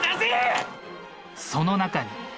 その中に。